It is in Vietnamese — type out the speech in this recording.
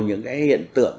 những cái hiện tượng